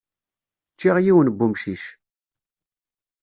Ččiɣ yiwen n umcic.